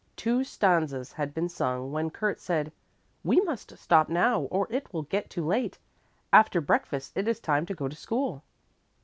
Two stanzas had been sung when Kurt said, "We must stop now or it will get too late. After breakfast it is time to go to school."